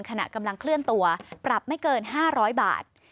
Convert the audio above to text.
ขณะกำลังเคลื่อนตัวปรับไม่เกิน๕๐๐บาท